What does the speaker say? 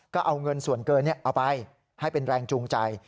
ก็เอาเงินส่วนเกินเอาไปให้เป็นแรงจูงใจ